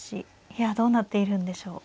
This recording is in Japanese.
いやどうなっているんでしょう。